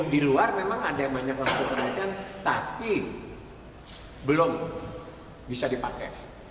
di luar memang ada yang banyak yang menelitikan tapi belum bisa dipakai